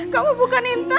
kamu bukan intan